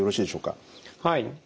はい。